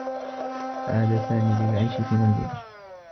عاد سامي للعيش في منزله.